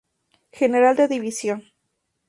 General de División.